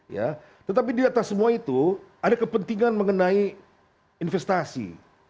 ya tetapi di atas semua itu ada kepentingan mengenai investasi